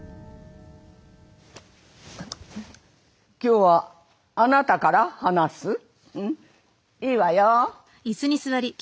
「今日はあなたから話す？いいわよ。